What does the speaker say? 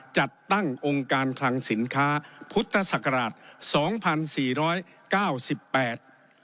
จัดตั้งองค์การช่างสินค้าพุทธศักราช๒๔๙๘